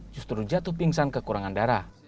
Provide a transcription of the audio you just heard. justru jatuh pingsan kekurangan darah